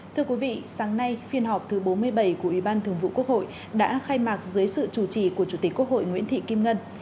thưa quý vị sáng nay phiên họp thứ bốn mươi bảy của ủy ban thường vụ quốc hội đã khai mạc dưới sự chủ trì của chủ tịch quốc hội nguyễn thị kim ngân